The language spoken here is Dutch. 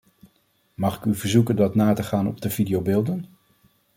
Mag ik u verzoeken dat na te gaan op de videobeelden?